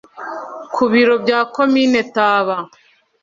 ku biro bya komine taba